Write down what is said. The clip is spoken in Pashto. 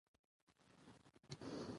دا مفکوره د کیمیاګر د اصلي فلسفې بنسټ دی.